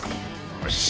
よし。